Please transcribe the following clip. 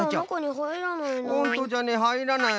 ほんとじゃねはいらない。